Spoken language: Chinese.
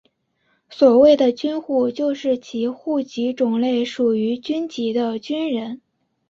所谓的军户就是其户籍种类属于军籍的军人。